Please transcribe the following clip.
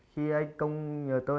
khi anh công nhờ tôi